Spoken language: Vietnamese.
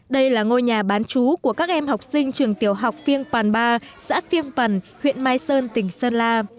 đây là ngôi nhà bán chú của các em học sinh trường tiểu học phiên quản ba xã phiên phần huyện mai sơn tỉnh sơn la